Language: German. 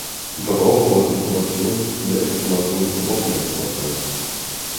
Die Verbraucher wollen Informationen, mehr Informationen und noch mehr Informationen!